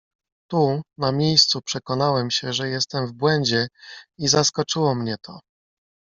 "Tu, na miejscu przekonałem się, że jestem w błędzie i zaskoczyło mnie to."